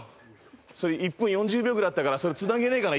それ１分４０秒くらいあったからそれつなげられねえかな